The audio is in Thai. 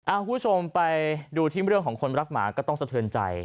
คุณผู้ชมไปดูที่เรื่องของคนรักหมาก็ต้องสะเทือนใจ